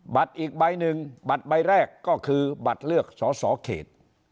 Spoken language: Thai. อีกใบหนึ่งบัตรใบแรกก็คือบัตรเลือกสอสอเขต